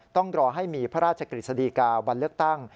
ต้องรอให้มีพระราชกฤษฎีกาวันเลือกตั้ง